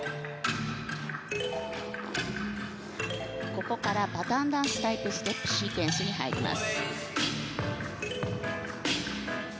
ここからパターンダンスタイプステップシークエンスに入ります。